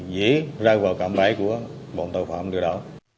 dễ rơi vào cạm bẫy của bọn tội phạm được đó